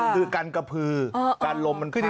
คือการกระพื้นการลมมันพัก